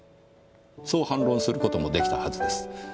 そう反論する事もできたはずです。